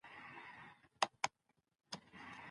موږ به تر راتلونکي کال پورې خپله فابریکه جوړه کړو.